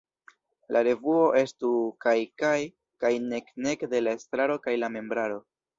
La revuo estu kaj-kaj, kaj nek-nek de la estraro kaj la membraro.